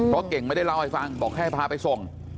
เพราะเก่งไม่ได้เล่าให้ฟังบอกให้พาไปส่ง